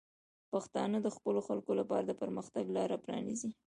پښتانه د خپلو خلکو لپاره د پرمختګ لاره پرانیزي.